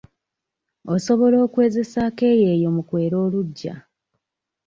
Osobola okwezesa akeeyeeyo mu kwera oluggya.